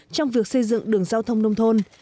trong việc xây dựng đường giao thông nông thôn